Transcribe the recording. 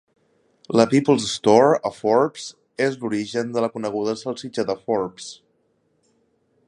La People's Store a Forbes és l'origen de la coneguda Salsitxa de Forbes.